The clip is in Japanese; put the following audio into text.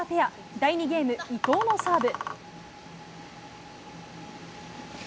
第２ゲーム、伊藤のサーブ。